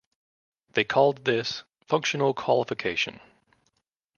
They called this functional qualification.